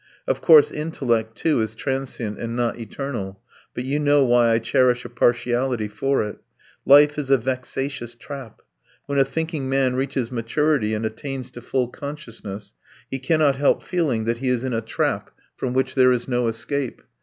Of course, intellect, too, is transient and not eternal, but you know why I cherish a partiality for it. Life is a vexatious trap; when a thinking man reaches maturity and attains to full consciousness he cannot help feeling that he is in a trap from which there is no escape.